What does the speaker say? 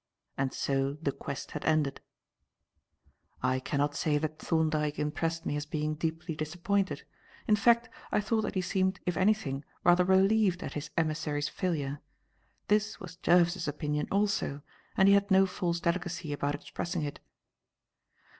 And so the quest had ended. I cannot say that Thorndyke impressed me as being deeply disappointed; in fact, I thought that he seemed, if anything, rather relieved at his emissary's failure. This was Jervis's opinion also, and he had no false delicacy about expressing it.